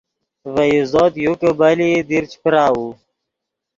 ڤے عزوت یو کہ بلئیت دیر چے پراؤو